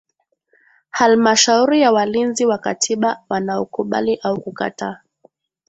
Halmashauri ya Walinzi wa Katiba wanaokubali au kukataa